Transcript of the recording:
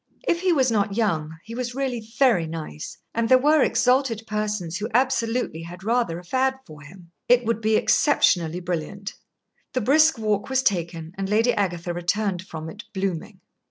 If he was not young, he was really very nice, and there were exalted persons who absolutely had rather a fad for him. It would be exceptionally brilliant. The brisk walk was taken, and Lady Agatha returned from it blooming.